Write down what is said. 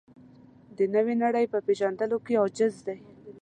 د نوې نړۍ په پېژندلو کې عاجز دی.